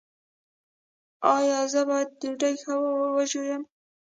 ایا زه باید ډوډۍ ښه وژووم؟